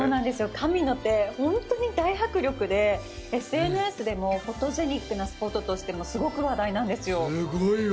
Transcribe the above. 神の手、本当に大迫力で、ＳＮＳでもフォトジェニックなスポットとしてもすごく話題なんですよ。